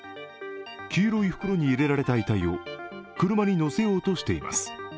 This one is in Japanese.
黄色い袋に入れられた遺体を車に乗せようとしています。